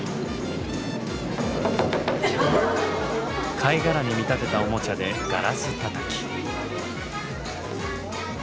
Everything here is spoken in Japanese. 貝殻に見立てたおもちゃでガラスたたき。